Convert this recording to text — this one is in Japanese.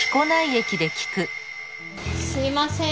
すいません。